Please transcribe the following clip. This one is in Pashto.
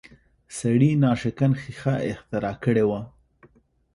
سړي ناشکن ښیښه اختراع کړې وه